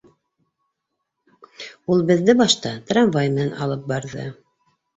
Ул беҙҙе башта трамвай менән алып барҙы.